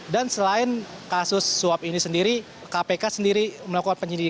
dan selain kasus suap ini sendiri kpk sendiri melakukan penyidikan